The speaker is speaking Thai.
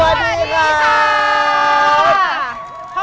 จัดจานยานวิภา